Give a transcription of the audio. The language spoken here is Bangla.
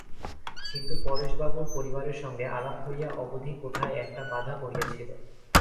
কিন্তু পরেশবাবুর পরিবারের সঙ্গে আলাপ হইয়া অবধি কোথায় একটা বাধা পড়িয়াছিল।